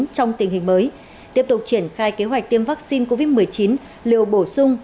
trong tình hình mới tiếp tục triển khai kế hoạch tiêm vaccine covid một mươi chín liều bổ sung